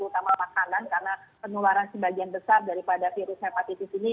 utama makanan karena penularan sebagian besar daripada virus hepatitis ini